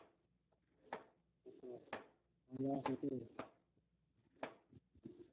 প্রতাপ ভালো আছে তো?